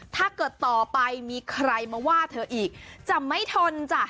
ถ้าเกิดต่อไปมีใครมาว่าเธออีกจะไม่ทนจ้ะ